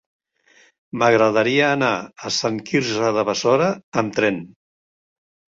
M'agradaria anar a Sant Quirze de Besora amb tren.